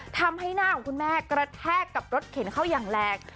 ทำให้หน้าของคุณแม่กระแทกกับรถเข็นเข้าอย่างแรง